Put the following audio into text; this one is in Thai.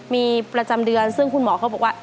มีประจำเดือนซึ่งคุณหมอเขาบอกว่า